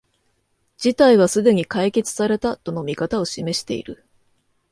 事態はすでに解決された、との見方を示している